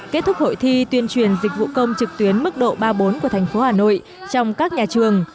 kết thúc hội thi tuyên truyền dịch vụ công trực tuyến mức độ ba bốn của thành phố hà nội trong các nhà trường